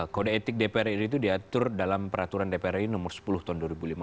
kode etik dpr ini diatur dalam peraturan dpri nomor sepuluh tahun dua ribu lima belas